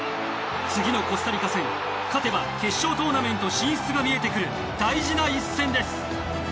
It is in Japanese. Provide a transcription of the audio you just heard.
次のコスタリカ戦勝てば決勝トーナメント進出が見えてくる大事な一戦です。